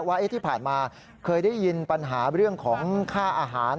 ว่าที่ผ่านมาเคยได้ยินปัญหาเรื่องของค่าอาหาร